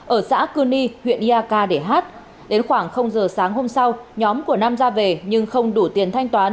ở xã cư ni huyện iak để hát đến khoảng giờ sáng hôm sau nhóm của nam ra về nhưng không đủ tiền thanh toán